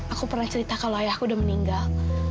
aku pernah cerita kalau ayah aku udah meninggal